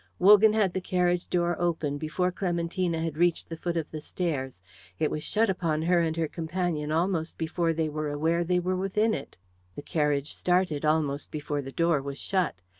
Wogan had the carriage door open before Clementina had reached the foot of the stairs; it was shut upon her and her companion almost before they were aware they were within it; the carriage started almost before the door was shut.